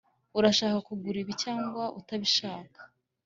urashaka kugura ibi cyangwa utabishaka?